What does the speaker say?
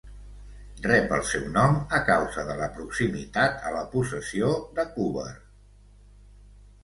Rep el seu nom a causa de la proximitat a la possessió de Cúber.